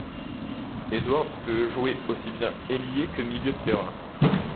Edwards peut jouer aussi bien ailier que milieu de terrain.